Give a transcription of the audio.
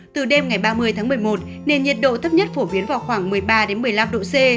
từ đêm ngày ba mươi tháng một mươi một nền nhiệt độ thấp nhất phổ biến vào khoảng một mươi ba một mươi năm độ c